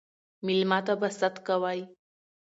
ميلمه ته به ست کوئ